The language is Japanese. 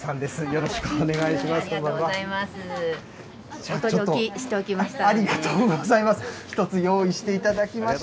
よろしくお願いします。